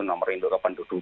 nomor itu ke penduduk